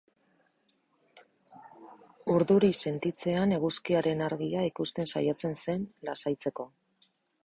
Urduri sentitzean, eguzkiaren argia ikusten saiatzen zen, lasaitzeko.